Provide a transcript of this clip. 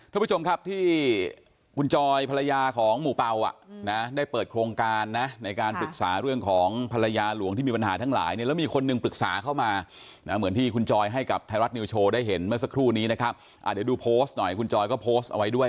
ทุกผู้ชมครับที่คุณจอยภรรยาของหมู่เป่าอ่ะนะได้เปิดโครงการนะในการปรึกษาเรื่องของภรรยาหลวงที่มีปัญหาทั้งหลายเนี่ยแล้วมีคนหนึ่งปรึกษาเข้ามาเหมือนที่คุณจอยให้กับไทยรัฐนิวโชว์ได้เห็นเมื่อสักครู่นี้นะครับเดี๋ยวดูโพสต์หน่อยคุณจอยก็โพสต์เอาไว้ด้วย